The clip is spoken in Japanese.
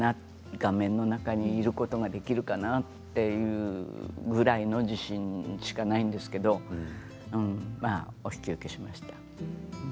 画面の中にいることができるかなというぐらいの自信しかないんですけれどお引き受けしました。